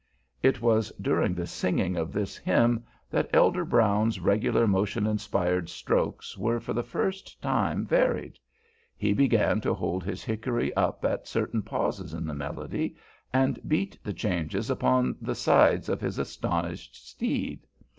It was during the singing of this hymn that Elder Brown's regular motion inspiring strokes were for the first time varied. He began to hold his hickory up at certain pauses in the melody, and beat the changes upon the sides of his astonished steed.